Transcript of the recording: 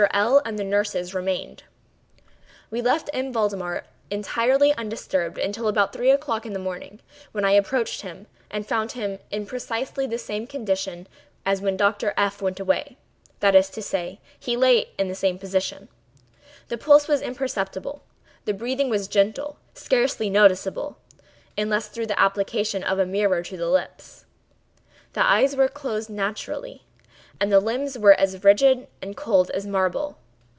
L—l and the nurses remained. We left M. Valdemar entirely undisturbed until about three o'clock in the morning, when I approached him and found him in precisely the same condition as when Dr. F—— went away—that is to say, he lay in the same position; the pulse was imperceptible; the breathing was gentle (scarcely noticeable, unless through the application of a mirror to the lips); the eyes were closed naturally; and the limbs were as rigid and as cold as marble.